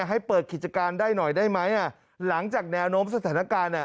ให้เปิดกิจกรรมได้หน่อยหาลังจากแนวโน้มสถานการณ์